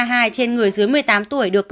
trên người dưới một mươi tám tuổi